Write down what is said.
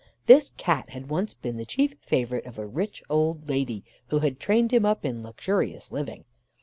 This Cat had once been the chief favourite of a rich old lady, who had trained him up in luxurious living.